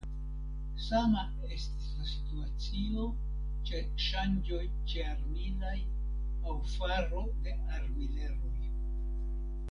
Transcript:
Sama estis la situacio ĉe ŝanĝoj ĉearmilaj aŭ faro de armileroj.